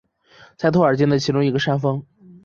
在托尔金的其中一个山峰。